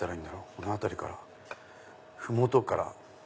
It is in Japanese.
この辺りから麓から。